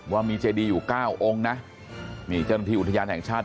ว่ามีเจดีอยู่เก้าองค์นะนี่เจ้าหน้าที่อุทยานแห่งชาติ